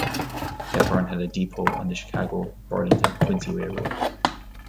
Hepburn had a depot on the Chicago, Burlington and Quincy Railroad.